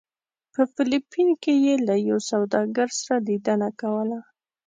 په فلپین کې یې له یو سوداګر سره لیدنه کوله.